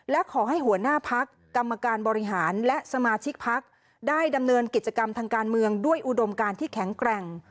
และขอให้หัวหน้าพักกรรมการบริหารและสมาชิกพักได้ดำเนินกิจกรรมทางการเมืองด้วยอุดมการที่แข็งแกร่ง